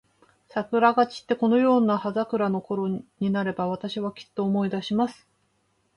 桜が散って、このように葉桜のころになれば、私は、きっと思い出します。